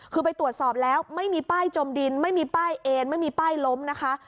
คือไปตรวจสอบแล้วไม่มีป้ายจมดินไม่มีป้ายเอนไม่มีป้ายล้มนะคะ